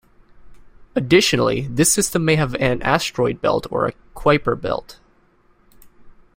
Additionally, this system may have an asteroid belt or a Kuiper belt.